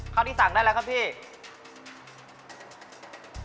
ข้าวที่สั่งได้แล้วครับพี่